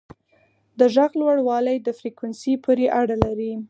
د غږ لوړوالی د فریکونسي پورې اړه لري.